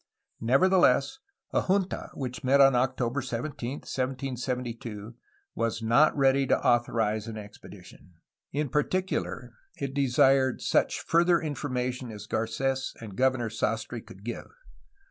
Nevertheless, a junta (which met on October 17, 1772) was not ready to authorize an expedition; in particular it desired such further informa tion as Carets and Governor Sastre could give.